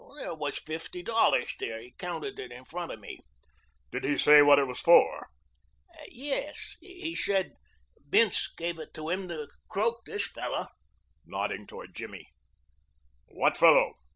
"There was fifty dollars there. He counted it in front of me." "Did he say what it was for?" "Yes, he said Bince gave it to him to croak this fellow" nodding toward Jimmy. "What fellow?"